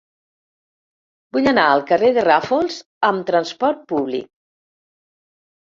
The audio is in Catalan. Vull anar al carrer de Ràfols amb trasport públic.